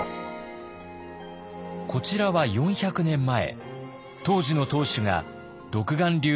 こちらは４００年前当時の当主が独眼竜